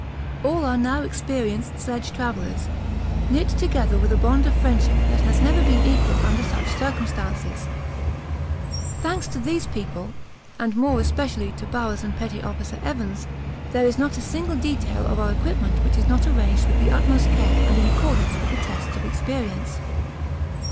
All are now experienced sledge travellers, knit together with a bond of friendship that has never been equalled under such circumstances. Thanks to these people, and more especially to Bowers and Petty Officer Evans, there is not a single detail of our equipment which is not arranged with the utmost care and in accordance with the tests of experience.